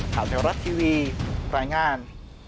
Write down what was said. ข่าวไทยรัฐทีวีรายงาน